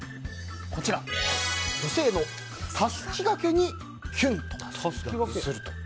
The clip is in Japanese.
それが、女性のたすき掛けにキュンとすると。